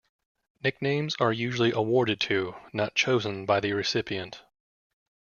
Nicknames are usually awarded to, not chosen by the recipient.